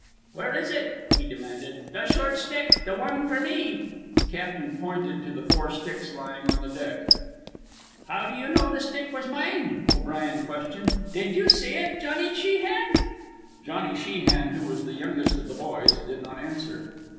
"Where is ut?" he demanded. "The short stick? The wan for me?" The captain pointed to the four sticks lying on the deck. "How do you know the stick was mine?" O'Brien questioned. "Did you see ut, Johnny Sheehan?" Johnny Sheehan, who was the youngest of the boys, did not answer.